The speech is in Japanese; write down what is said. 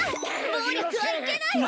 暴力はいけないわ！